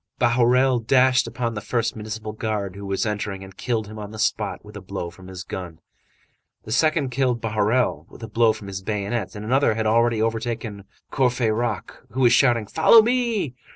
Bahorel dashed upon the first municipal guard who was entering, and killed him on the spot with a blow from his gun; the second killed Bahorel with a blow from his bayonet. Another had already overthrown Courfeyrac, who was shouting: "Follow me!"